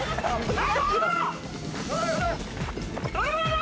何？